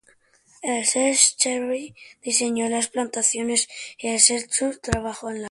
El Sr. Schreiber diseñó las plantaciones y el Sr. Buck trabajó la roca.